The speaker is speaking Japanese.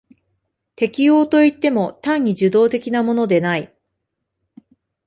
適応といっても単に受動的なものでない。